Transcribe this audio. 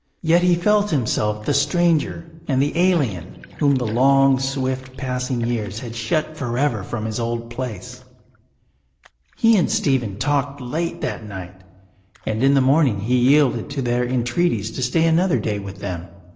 Yet he felt himself the stranger and the alien, whom the long, swift passing years had shut forever from his old place. He and Stephen talked late that night, and in the morning he yielded to their entreaties to stay another day with them.